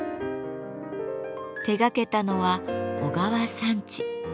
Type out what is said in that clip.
手がけたのは小川三知。